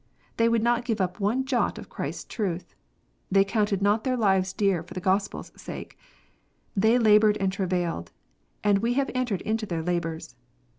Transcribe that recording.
They would not give up one jot of Christ s truth. They counted not their lives dear for the Gospel s sake. They laboured and travailed, and we have entered into their labours.